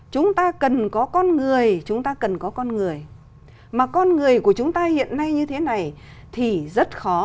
chúng ta cần có con người chúng ta cần có con người mà con người của chúng ta hiện nay như thế này thì rất khó